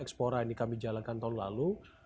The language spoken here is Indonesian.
sejak awal xplora yang kami jalankan tahun lalu